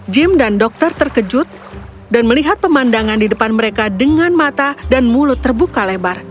jim dan dokter terkejut dan melihat pemandangan di depan mereka dengan mata dan mulut terbuka lebar